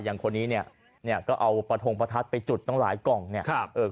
อย่างคนนี้เนี่ยก็เอาประทงประทัดไปจุดต้องหลายกล่องเนี่ยครับเอ่อ